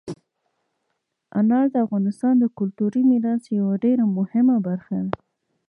انار د افغانستان د کلتوري میراث یوه ډېره مهمه برخه ده.